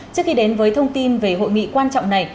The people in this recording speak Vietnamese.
trước khi đến với thông tin về hội nghị quan trọng này